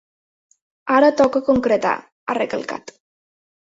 Ara toca concretar, ha recalcat.